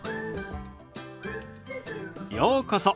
ようこそ。